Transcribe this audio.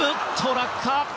落下！